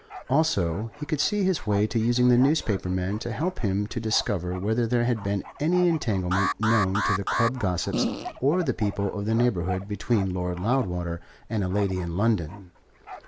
Also, he could see his way to using the newspaper men to help him to discover whether there had been any entanglement known to the club gossips or the people of the neighbourhood between Lord Loudwater and a lady in London.